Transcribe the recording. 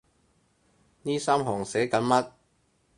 呢三行寫緊乜？